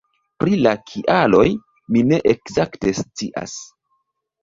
Pri la kialoj mi ne ekzakte scias.